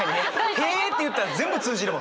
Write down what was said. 「へえ！」って言ったら全部通じるもんね。